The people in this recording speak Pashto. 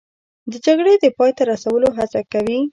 د جګړې د پای ته رسولو هڅه کوي